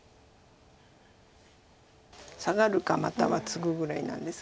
サガるかまたはツグぐらいなんですが。